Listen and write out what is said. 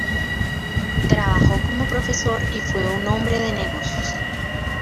Trabajó como profesor y fue un hombre de negocios.